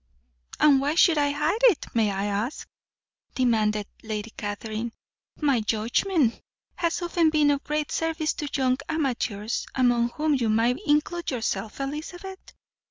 "And why should I hide it, may I ask?" demanded Lady Catherine. "My judgment has often been of great service to young amateurs, among whom you might include yourself, Elizabeth."